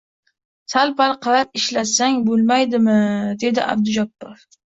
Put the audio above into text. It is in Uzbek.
Sal-pal qarab ishlatsang bo`lmaydimi, dedi Abdujabbor